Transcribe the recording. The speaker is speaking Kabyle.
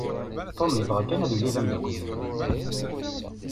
Tom yebɣa kan ad yili d ameddakkel-im.